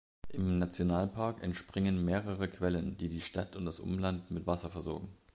Im Nationalpark entspringen mehrere Quellen, die die Stadt und das Umland mit Wasser versorgen.